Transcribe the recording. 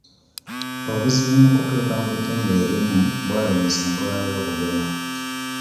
Obuzibu mu kutuuka mu bitundi ebimu bwalemesa enkola y'okugema.